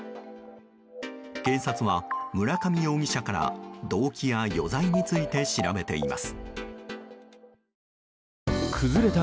警察は村上容疑者から動機や余罪について調べています。